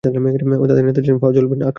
তাদের নেতা ছিলেন ফাজ-ঈল ইবন আকরান।